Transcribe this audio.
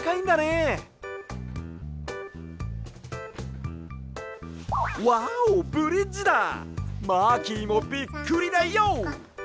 わおブリッジだマーキーもびっくりだよ！